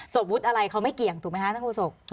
วุฒิอะไรเขาไม่เกี่ยงถูกไหมคะท่านโศก